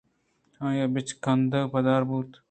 آئی ءِ بچکندگ پدّر بوت